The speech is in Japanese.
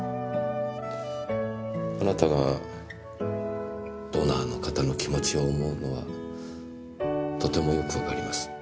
あなたがドナーの方の気持ちを思うのはとても良くわかります。